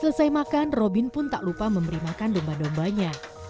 selesai makan robin pun tak lupa memberi makan domba dombanya